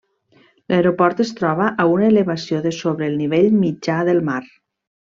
L'aeroport es troba a una elevació de sobre el nivell mitjà del mar.